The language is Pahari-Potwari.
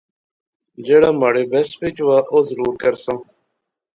جہیڑا مہاڑے بس وچ وہا اور ضرور کرساں